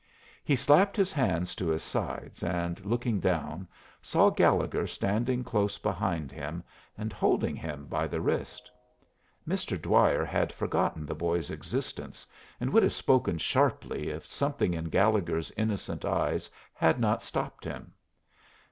He slapped his hands to his sides, and, looking down, saw Gallegher standing close behind him and holding him by the wrist. Mr. Dwyer had forgotten the boy's existence, and would have spoken sharply if something in Gallegher's innocent eyes had not stopped him.